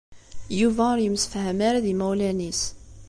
Yuba ur yemsefham ara d yimawlan-is.